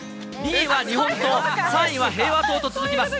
２位は日本塔、３位は平和塔と続きます。